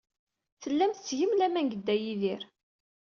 Tellam tettgem laman deg Dda Yidir.